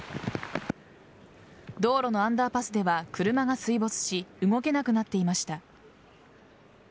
道路のアンダーパスでは車が水没し動けなくなっていました。